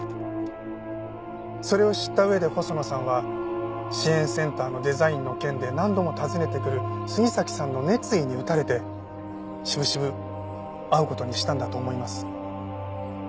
それを知った上で細野さんは支援センターのデザインの件で何度も訪ねてくる杉崎さんの熱意に打たれて渋々会う事にしたんだと思います。